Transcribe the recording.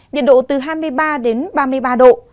nhiệt độ từ hai mươi ba đến ba mươi ba độ